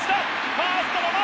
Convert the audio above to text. ファーストの前！